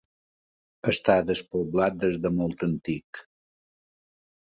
Està despoblat des de molt antic.